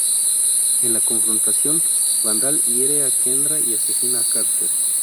En la confrontación, Vandal hiere a Kendra y asesina a Carter.